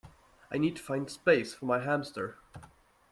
I need to find space for my hamster